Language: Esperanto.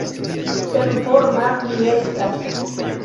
Senforma mi estas!